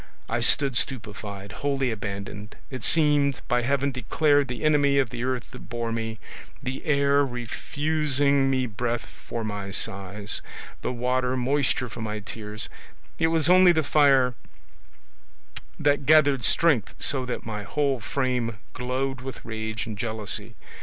I stood stupefied, wholly abandoned, it seemed, by Heaven, declared the enemy of the earth that bore me, the air refusing me breath for my sighs, the water moisture for my tears; it was only the fire that gathered strength so that my whole frame glowed with rage and jealousy.